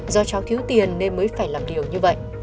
do chó thiếu tiền nên mới phải làm điều như vậy